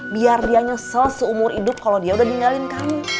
biar dia nyesel seumur hidup kalau dia udah ninggalin kami